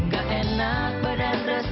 gak enak badan resmi